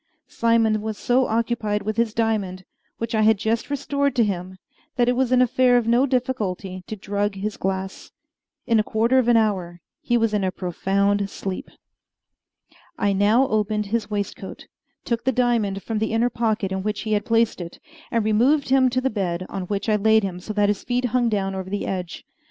Simon was so occupied with his diamond, which I had just restored to him, that it was an affair of no difficulty to drug his glass. In a quarter of an hour he was in a profound sleep. I now opened his waistcoat, took the diamond from the inner pocket in which he had placed it, and removed him to the bed, on which I laid him so that his feet hung down over the edge.